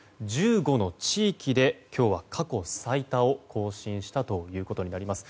１５の地域で今日は過去最多を更新したことになります。